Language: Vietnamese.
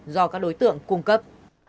do các đối tượng cung cấp